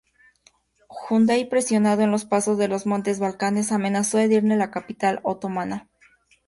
Hunyadi presionando en los pasos de los montes Balcanes, amenazó Edirne, la capital otomana.